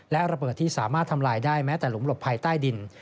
และระเบิดที่สามารถทำลายได้แม้แต่หลุมหลบภายใต้ดิน